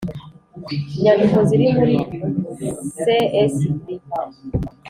Inyandiko ziri muri csd